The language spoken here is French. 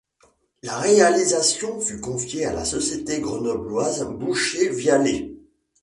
La réalisation fut confiée à la société grenobloise Bouchet-Viallet.